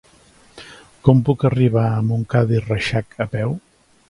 Com puc arribar a Montcada i Reixac a peu?